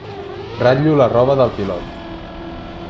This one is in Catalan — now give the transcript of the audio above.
Ratllo la roba del pilot.